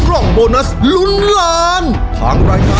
ครอบครัวของแม่ปุ้ยจังหวัดสะแก้วนะครับ